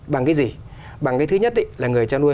bằng cái gì bằng cái thứ nhất là người chăn nuôi